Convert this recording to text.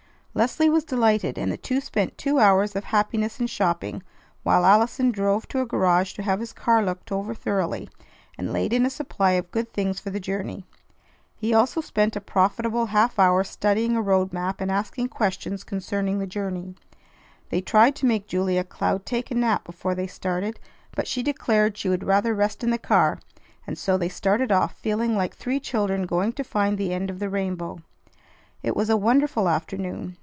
Leslie was delighted, and the two spent two hours of happiness in shopping, while Allison drove to a garage to have his car looked over thoroughly, and laid in a supply of good things for the journey. He also spent a profitable half hour studying a road map and asking questions concerning the journey. They tried to make Julia Cloud take a nap before they started, but she declared she would rather rest in the car; and so they started off, feeling like three children going to find the end of the rainbow. It was a wonderful afternoon.